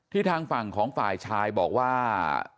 ทางฝั่งของฝ่ายชายบอกว่า